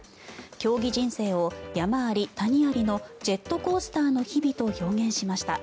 競技人生を山あり谷ありのジェットコースターの日々と表現しました。